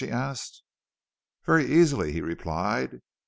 she asked. "Very easily," he replied.